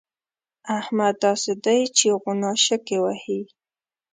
احمد داسې دی چې غوڼاشکې وهي.